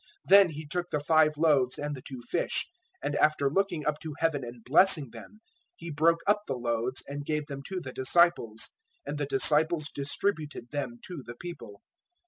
Then He took the five loaves and the two fish, and after looking up to heaven and blessing them, He broke up the loaves and gave them to the disciples, and the disciples distributed them to the people.